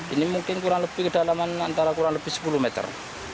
ini mungkin kurang lebih kedalaman antara kurang lebih sepuluh meter